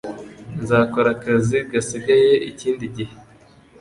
Nzakora akazi gasigaye ikindi gihe.